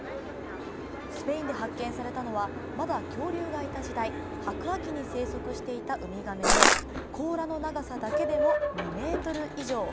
スペインで発見されたのは、まだ恐竜がいた時代、白亜紀に生息していたウミガメで甲羅の長さだけでも２ｍ以上。